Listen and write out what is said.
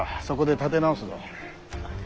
そこで立て直すぞ。